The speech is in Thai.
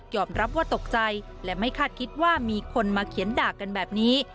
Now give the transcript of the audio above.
รับว่าตกใจและไม่คาดคิดว่ามีคนมาเขียนด่ากันแบบนี้